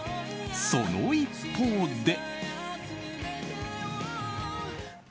その一方で。